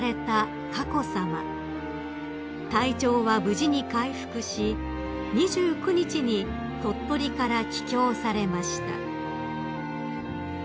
［体調は無事に回復し２９日に鳥取から帰京されました］